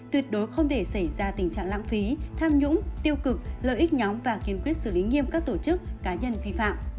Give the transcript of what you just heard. tuyệt đối không để xảy ra tình trạng lãng phí tham nhũng tiêu cực lợi ích nhóm và kiên quyết xử lý nghiêm các tổ chức cá nhân vi phạm